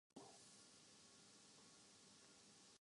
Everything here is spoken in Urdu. حقیقت بننا آسان نہیں دکھائی دیتا دوسرا مفروضہ